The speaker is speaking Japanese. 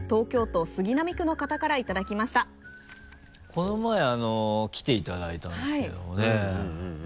この前来ていただいたんですけどもね。